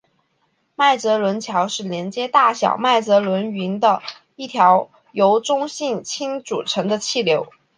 麦哲伦桥是连接大小麦哲伦云的一条由中性氢组成的气流。